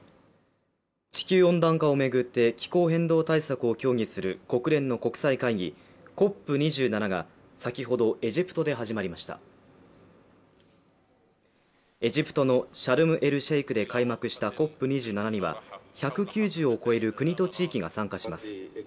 地球温暖化を巡って気候変動対策を協議する国連の国際会議＝ＣＯＰ２７が先ほどエジプトで始まりましたエジプトのシャルム・エル・シェイクで開幕したＣＯＰ２７には１９０を超える国と地域が参加します